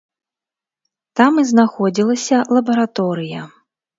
Там і знаходзілася лабараторыя.